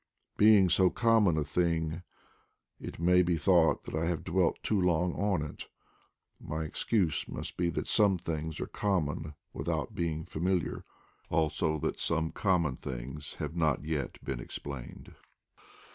Be ing so common a thing, it may be thought that I have dwelt too long on it. My excuse must be that some things are common without being familiar; also that some common things have not yet been explained.